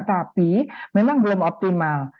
tapi memang belum optimal